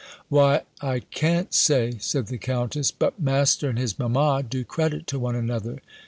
"Why, I can't say," said the Countess, "but Master and his mamma do credit to one another.